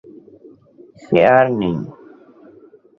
সে আর নেই।